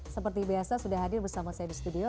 seperti biasa sudah hadir bersama saya di studio